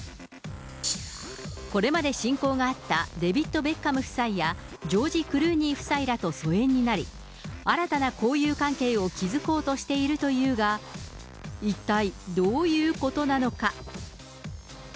これまで親交があったデビッド・ベッカム夫妻や、ジョージ・クルーニー夫妻らと疎遠になり、新たな交友関係を築こうとしているというが、一体、どういうことなのか。